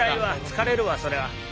疲れるわそれは。